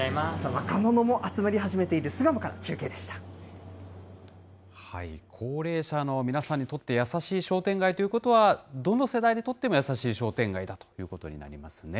若者も集まり始めている巣鴨高齢者の皆さんにとって優しい商店街ということは、どの世代にとっても優しい商店街だということになりますね。